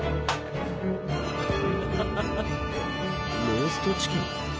ローストチキン？